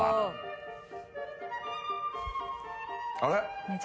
あれ？